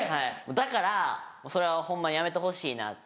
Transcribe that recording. だからそれはホンマやめてほしいなって。